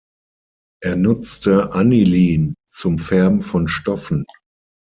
Er nutzte Anilin zum Färben von Stoffen.